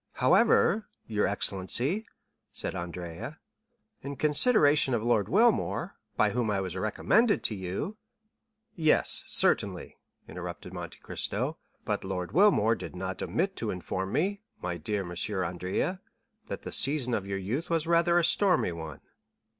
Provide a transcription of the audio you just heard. "However, your excellency," said Andrea, "in consideration of Lord Wilmore, by whom I was recommended to you——" "Yes, certainly," interrupted Monte Cristo; "but Lord Wilmore did not omit to inform me, my dear M. Andrea, that the season of your youth was rather a stormy one.